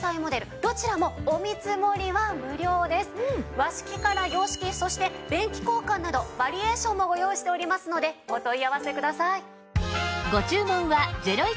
和式から洋式そして便器交換などバリエーションもご用意しておりますのでお問い合わせください。